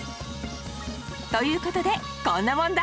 という事でこんな問題